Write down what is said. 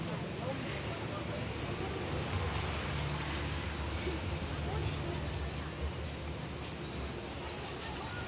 สวัสดีครับทุกคน